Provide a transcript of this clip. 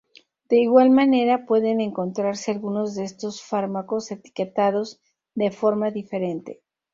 De igual manera pueden encontrarse algunos de estos fármacos etiquetados de forma diferente.